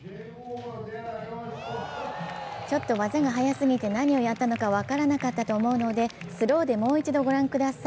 ちょっと技が速すぎて何をやったか分からなかったと思うのでスローでもう一度ご覧ください。